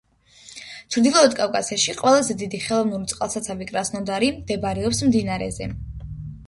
ჩრდილოეთ კავკასიაში ყველაზე დიდი ხელოვნური წყალსაცავი კრასნოდარი მდებარეობს მდინარეზე.